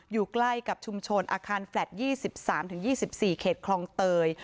อยู่ใกล้กับชุมชนอาคารแฟลต์๒๓๒๔เขตคลองเตย